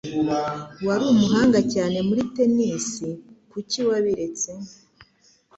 Wari umuhanga cyane muri tennis. Kuki wabiretse?